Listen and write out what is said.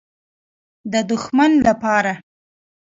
_د دښمن له پاره.